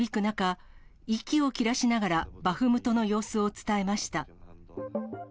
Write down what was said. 砲撃音が響く中、息を切らしながらバフムトの様子を伝えました。